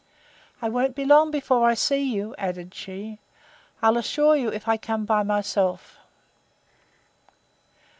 I won't be long before I see you, added she, I'll assure you, if I come by myself.